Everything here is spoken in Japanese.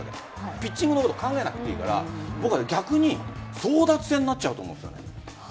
ピッチングのことを考えなくていいから逆に争奪戦になっちゃうと思う。